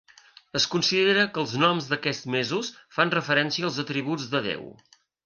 Es considera que els noms d'aquests mesos fan referència als atributs de Déu.